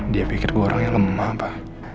dia pikir dua orang yang lemah pak